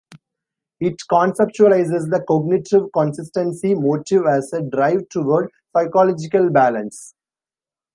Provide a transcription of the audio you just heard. It conceptualizes the cognitive consistency motive as a drive toward psychological balance.